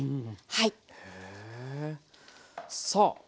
はい。